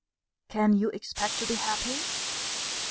Can you expect to be happy?